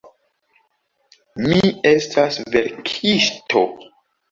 Mi estas verkisto.